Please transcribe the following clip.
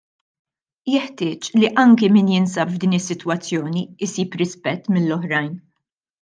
Jeħtieġ li anke min jinsab f'din is-sitwazzjoni isib rispett mill-oħrajn.